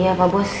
iya pak bos